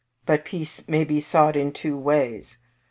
But peace may be sought in two ways.